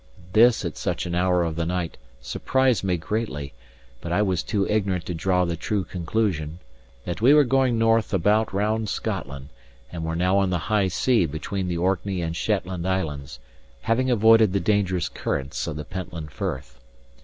This, at such an hour of the night, surprised me greatly; but I was too ignorant to draw the true conclusion that we were going north about round Scotland, and were now on the high sea between the Orkney and Shetland Islands, having avoided the dangerous currents of the Pentland Firth.